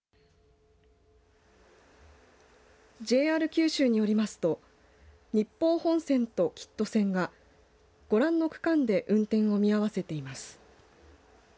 ＪＲ九州によりますと日豊本線と吉都線がご覧の区間で運転を見合わせています。